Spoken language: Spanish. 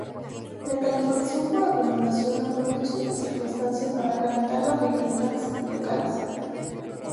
La calefacción por acumulación aprovecha esta circunstancia para calentar las viviendas y locales.